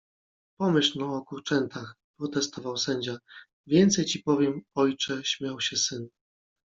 Pomyśl no o kurczętach! - protestował sędzia. - Więcej ci powiem, ojcze- śmiał się syn. -